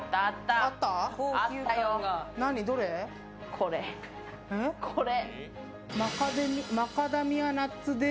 これ、これ。